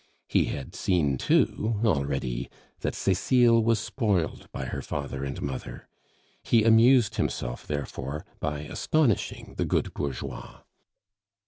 He had seen, too, already that Cecile was spoiled by her father and mother; he amused himself, therefore, by astonishing the good bourgeois.